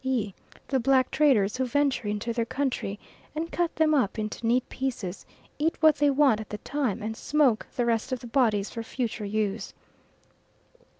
e. the black traders who venture into their country, and cut them up into neat pieces, eat what they want at the time, and smoke the rest of the bodies for future use.